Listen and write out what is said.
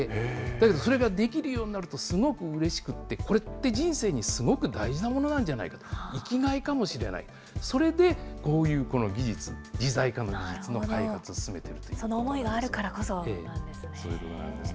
だけどそれができるようになるとすごくうれしくって、これって人生にすごく大事なものじゃないかって、生きがいかもしれない、それでこういう技術、自在化の技術の開発を進めているということです。